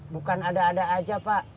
bukan ada ada aja pak